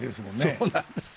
そうなんです。